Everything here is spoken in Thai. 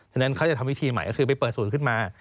ฉะนั้นเขาจะทำวิธีใหม่ก็คือไปเปิดศูนย์ขึ้นมา